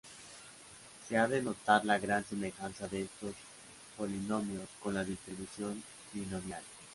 Se ha de notar la gran semejanza de estos polinomios con la distribución binomial.